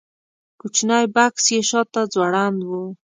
کوچنی بکس یې شاته ځوړند و.